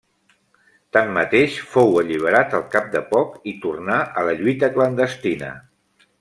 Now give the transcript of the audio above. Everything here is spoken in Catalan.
Tanmateix, fou alliberat al cap de poc i tornà a la lluita clandestina.